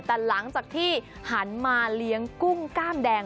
แต่หลังจากที่หันมาเลี้ยงกุ้งกล้ามแดง